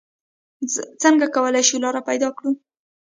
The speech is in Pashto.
څنګه کولې شو لاره پېدا کړو؟